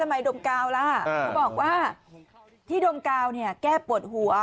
ก็บอกว่าที่หุ้มข้าวและแขกปวดหัว